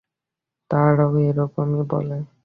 তারাও এরকম ই বলে!